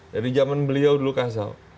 dari zaman beliau dulu kasau